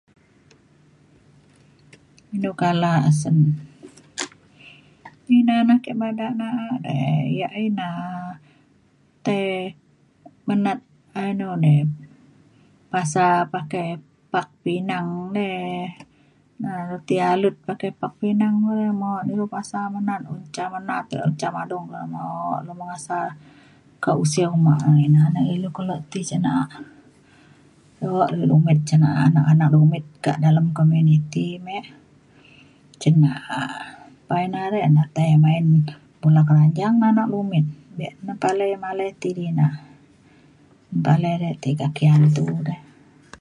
inu kala asen. ina na ke bada na’a dei yak ina tai menat anu ni pasal pakai pak rinang ne na ilu ti alut pakai pak rinang re. mo na ilu paksa menat un ca menat un ca madung le maok lu mengasa ke usew uma ina na ilu kelo ti cin na’a. kelo lan lumit cin na’a anak anak lumit kak dalem komuniti me cin na’a pa ina re na tai main bola keranjang na anak lumit be na palai malai ti di na. un palai de tiga ti hantu dei.